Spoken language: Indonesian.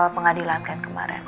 pengadilan kan kemarin